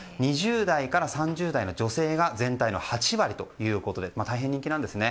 ２０代から３０代の女性が全体の８割ということで大変人気なんですね。